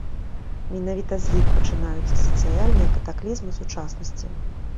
Менавіта з іх пачынаюцца сацыяльныя катаклізмы сучаснасці.